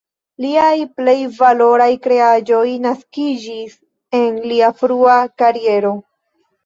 Liaj plej valoraj kreaĵoj naskiĝis en lia frua kariero.